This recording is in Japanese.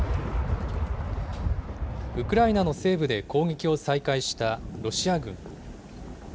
ウクライナの西部で攻撃を再開したロシア軍。